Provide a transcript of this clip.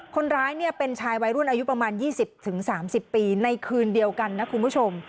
คนร้ายเป็นชายวัยรุ่นอายุประมาณ๒๐๓๐ปีในคืนเดียวกันนะคุณผู้ชม